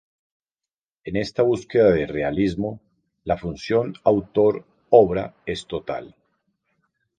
En esta búsqueda de realismo, la fusión autor-obra es total.